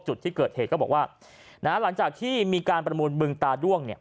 จุดที่เกิดเหตุก็บอกว่าหลังจากที่มีการประมูลบึงตาด้วงเนี่ย